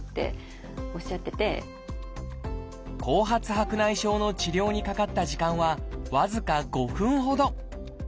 白内障の治療にかかった時間は僅か５分ほど。